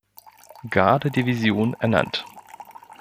Garde-Division ernannt.